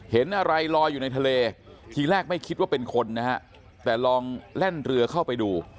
เห็นอะไรลอยอยู่ในทะเลทีแรกไม่คิดว่าเป็นคนนะฮะแต่ลองแล่นเรือเข้าไปดู